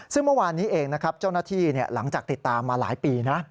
ซึ่งเมื่อวานนี้เองนะครับเจ้าหน้าที่หลังจากติดตามมาหลายปีนะ